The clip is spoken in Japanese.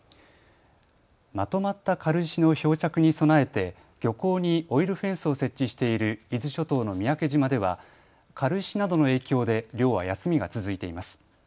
まとまった軽石の漂着に備えて漁港にオイルフェンスを設置している伊豆諸島の三宅島では軽石などの影響で漁は休みが続いています。